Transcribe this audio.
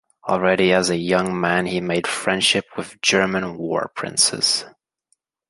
Already as a young man he made friendship with German war princes.